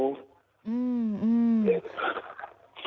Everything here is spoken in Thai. อืม